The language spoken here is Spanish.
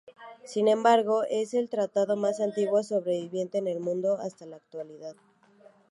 Sin embargo, es el tratado más antiguo sobreviviente en el mundo hasta la actualidad.